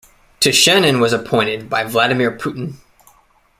Tishanin was appointed by Vladimir Putin.